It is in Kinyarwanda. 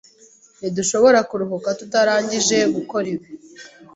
Ntidushobora kuruhuka tutarangije gukora ibi.